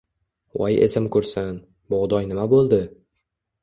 voy esim qursin...Bug’doy nima bo’ldi..